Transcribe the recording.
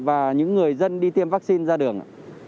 và những người dân đi tiêm vaccine ra đường